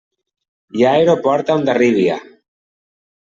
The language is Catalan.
Hi ha aeroport a Hondarribia.